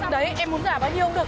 đấy em muốn giả bao nhiêu cũng được